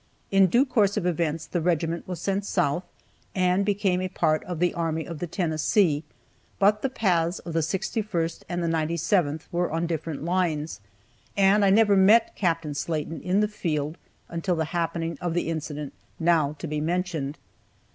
In due course of events the regiment was sent south, and became a part of the Army of the Tennessee, but the paths of the 61st and the 97th were on different lines, and I never met Capt. Slaten in the field until the happening of the incident now to be mentioned.